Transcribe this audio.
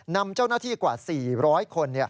นำเจ้าหน้าที่กว่า๔๐๐คน